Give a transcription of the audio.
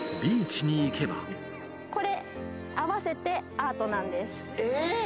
これ、合わせてアートなんでえー？